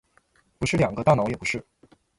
不是两个？大脑不也是？